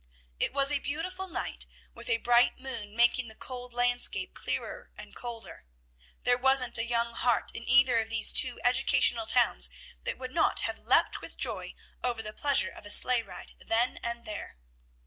It was a beautiful night, with a bright moon making the cold landscape clearer and colder. There wasn't a young heart in either of these two educational towns that would not have leaped with joy over the pleasure of a sleigh ride then and there.